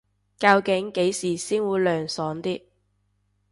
究竟幾時先會涼爽啲